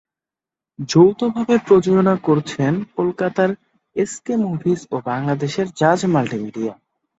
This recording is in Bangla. যৌথভাবে প্রযোজনা করেছেন কলকাতার এসকে মুভিজ ও বাংলাদেশের জাজ মাল্টিমিডিয়া।